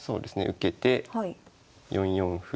受けて４四歩。